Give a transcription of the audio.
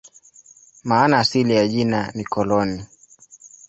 Maana asili ya jina ni "koloni".